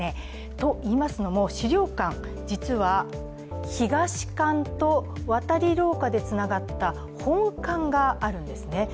といいますのも、資料館、実は東館と渡り廊下でつながった本館があるんですね。